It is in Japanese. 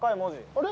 あれ？